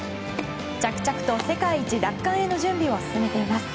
着々と世界一奪還への準備を進めています。